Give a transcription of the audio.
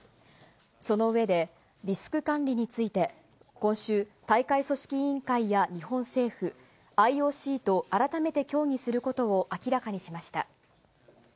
その上で、リスク管理について、今週、大会組織委員会や日本政府、ＩＯＣと改めて協議することを明らかにしました。